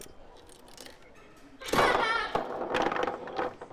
Byla prohlášena kulturní památkou.